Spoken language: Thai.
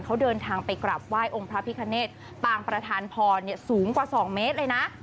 เขาเดินทางไปกลับไหว้องค์พระพิคเนตปางประธานพรสูงกว่า๒เมตรเลยนะ